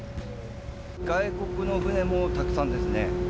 外国の船もたくさんですね。